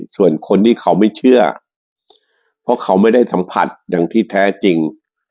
ส่วนคนที่เขาไม่เชื่อเพราะเขาไม่ได้สัมผัสอย่างที่แท้จริง